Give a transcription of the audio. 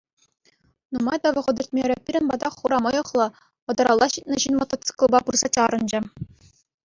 Нумай та вӑхӑт иртмерӗ, пирӗн пата хура мӑйӑхлӑ, вӑтӑралла ҫитнӗ ҫын мотоциклпа пырса чарӑнчӗ.